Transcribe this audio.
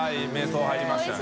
堊入りましたね。